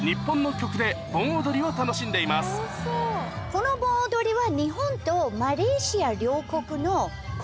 この盆踊りは。